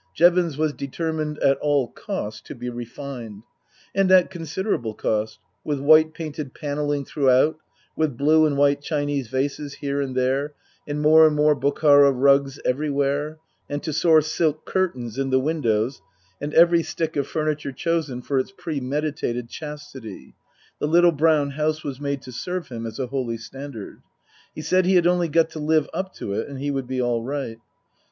Jevons was determined at all cost to be refined. And at considerable cost, with white painted panelling throughout, with blue and white Chinese vases here and there, and more and more Bokhara rugs everywhere, and tussore silk curtains in the windows and every stick of furniture chosen for its premeditated chastity, the little brown house was made to serve him as a holy standard. He said he had only got to live up to it and he would be all right.